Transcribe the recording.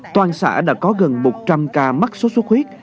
toàn xã đã có gần một trăm linh ca mắc sốt xuất huyết